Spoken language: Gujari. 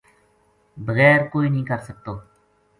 بغیر کوئے نیہہ کر سکتو‘‘